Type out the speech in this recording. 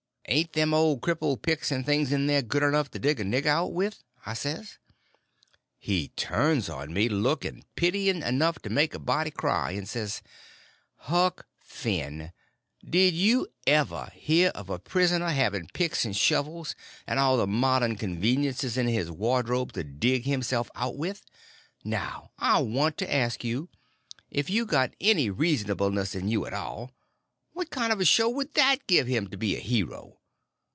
"Ain't them old crippled picks and things in there good enough to dig a nigger out with?" I says. He turns on me, looking pitying enough to make a body cry, and says: "Huck Finn, did you ever hear of a prisoner having picks and shovels, and all the modern conveniences in his wardrobe to dig himself out with? Now I want to ask you—if you got any reasonableness in you at all—what kind of a show would that give him to be a hero?